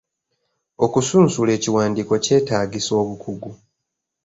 Okusunsula ekiwandiiko kyetaagisa obukugu.